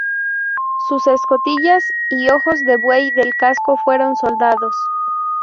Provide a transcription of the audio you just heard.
Sus escotillas y ojos de buey del casco fueron soldados.